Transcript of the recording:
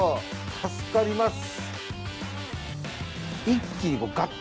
助かります。